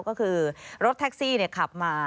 ก็คือรถแท็กซี่ขับมา